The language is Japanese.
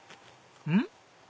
うん？